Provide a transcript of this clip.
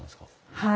はい。